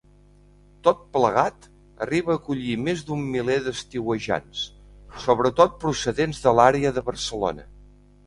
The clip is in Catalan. Tot plegat arriba a acollir més d'un miler d'estiuejants, sobretot procedents de l'àrea de Barcelona.